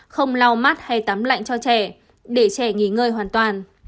không lau mát hay tắm lạnh cho trẻ để trẻ nghỉ ngơi hoàn toàn